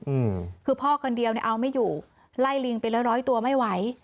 อืมคือพ่อคนเดียวเนี้ยเอาไม่อยู่ไล่ลิงไปแล้วร้อยตัวไม่ไหว